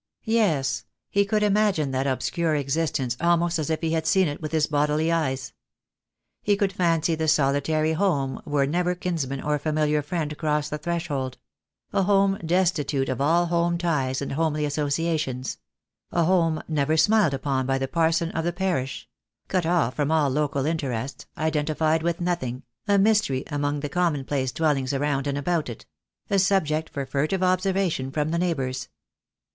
Yes, he could imagine that obscure existence almost as if he had seen it with his bodily eyes. He could fancy the solitary home where never kinsman or familiar friend crossed the threshold; a home destitute of all home ties and homely associations; a home never smiled upon by the parson of the parish; cut off from all local interests, identified with nothing, a mystery among the common place dwellings around and about it; a subject for furtive observation from the neighbours.